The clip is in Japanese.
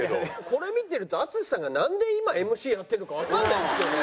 これ見てると淳さんがなんで今ＭＣやってるのかわかんないんですよね。